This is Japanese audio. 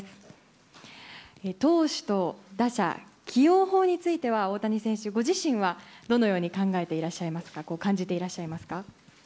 投手と打者起用法については大谷選手ご自身はどのように感じていらっしゃいますか？